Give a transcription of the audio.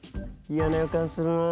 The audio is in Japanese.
嫌な予感するな。